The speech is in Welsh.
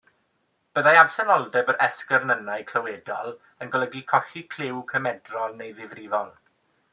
Byddai absenoldeb yr esgyrnynnau clywedol yn golygu colli clyw cymedrol neu ddifrifol.